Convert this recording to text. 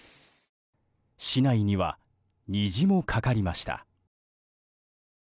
市内には虹もかかりました。